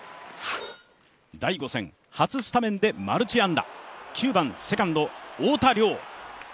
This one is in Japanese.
第５戦、初スタメンでマルチ安打、９番二塁・太田椋。